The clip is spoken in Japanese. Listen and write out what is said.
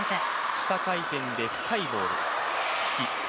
下回転で深いボール、ツッツキ。